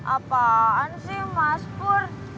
apaan sih mas pur